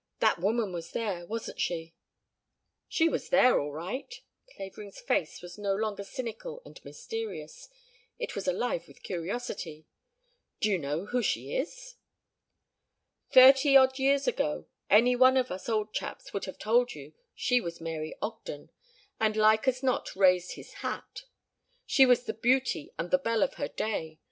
"That woman was there, wasn't she?" "She was there, all right." Clavering's face was no longer cynical and mysterious; it was alive with curiosity. "D'you know who she is?" "Thirty odd years ago any one of us old chaps would have told you she was Mary Ogden, and like as not raised his hat. She was the beauty and the belle of her day.